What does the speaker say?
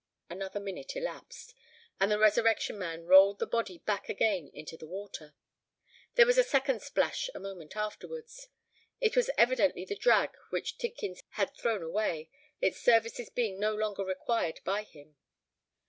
Another minute elapsed; and the Resurrection Man rolled the body back again into the water. There was a second splash a moment afterwards: it was evidently the drag which Tidkins had thrown away, its services being no longer required by him.